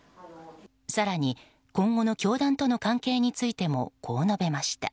更に今後の教団との関係についてもこう述べました。